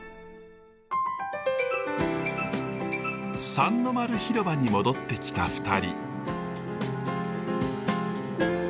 三の丸広場に戻ってきた２人。